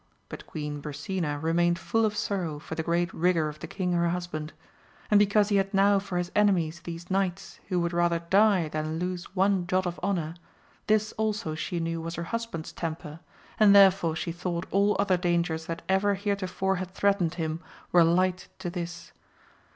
But Queen Brisena remained full of sorrow for the great rigour of the king her husband : and be cause he had now for his enemies these knights who would rather die than lose one jot of honour; this also she knew was her husband*s temper, and therefore she thought all other dangers that ever heretofore had AMADIS OF GAUL. 107 threatened him were light to this.